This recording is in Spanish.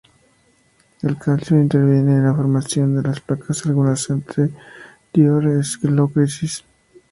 El calcio interviene en la formación de las placas de algunas arterioesclerosis.